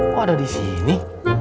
kok ada di sini